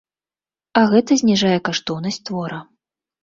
А гэта зніжае каштоўнасць твора.